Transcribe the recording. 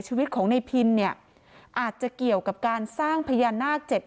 ชีวิตของในพินเนี่ยอาจจะเกี่ยวกับการสร้างพญานาคเจ็ด